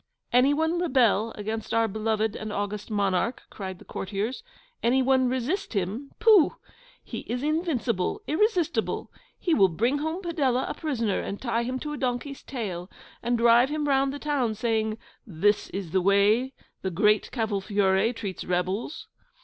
'Any one rebel against our beloved and august Monarch!' cried the courtiers; 'any one resist HIM? Pooh! He is invincible, irresistible. He will bring home Padella a prisoner, and tie him to a donkey's tail, and drive him round the town, saying, "This is the way the Great Cavolfiore treats rebels."